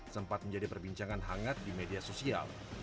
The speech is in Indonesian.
sempat menjadi perbincangan hangat di media sosial